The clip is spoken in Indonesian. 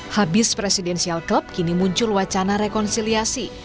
habis presidensial klub kini muncul wacana rekonsiliasi